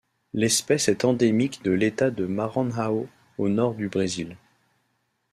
L'espèce est endémique de l'État de Maranhão au nord du Brésil.